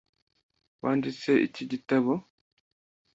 Wanditse iki gitabo?